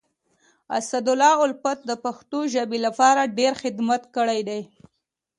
اسدالله الفت د پښتو ژبي لپاره ډير خدمت کړی دی.